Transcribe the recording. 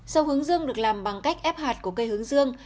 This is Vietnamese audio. sâu hướng dương được làm bằng cách ép hạt của cây hướng dương